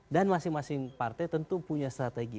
dan masing masing partai tentu punya strategi